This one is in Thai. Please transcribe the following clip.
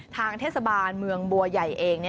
ทางเทศบาลเมืองบัวใหญ่เอง